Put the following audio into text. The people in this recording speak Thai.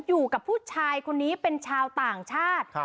อยู่กับผู้ชายคนนี้เป็นชาวต่างชาติ